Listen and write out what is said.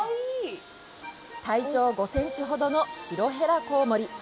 体長５センチほどのシロヘラコウモリ。